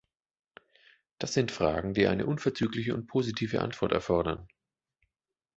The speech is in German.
Das sind Fragen, die eine unverzügliche und positive Antwort erfordern.